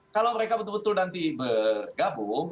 kalau mereka betul betul nanti bergabung